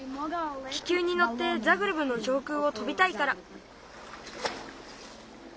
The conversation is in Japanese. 気球にのってザグレブの上空を飛びたいから。